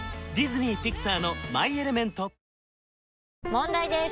問題です！